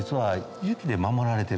雪で守られてる？